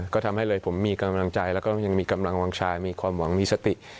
ก็ทำให้เลยผมมีกำลังใจแล้วก็ยังมีกำลังวางชายมีความหวังมีสติ